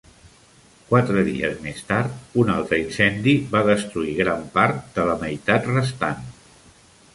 Quatre dies més tard, un altre incendi va destruir gran part de la meitat restant.